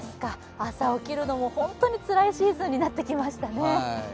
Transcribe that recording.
朝起きるのも本当につらいシーズンになってきましたね。